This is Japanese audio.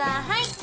はい。